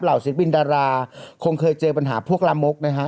เหล่าศิษย์บินดาราคงเคยเจอปัญหาพวกลามกนะครับ